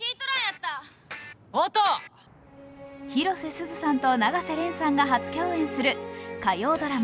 広瀬すずさんと永瀬廉さんが初共演する火曜ドラマ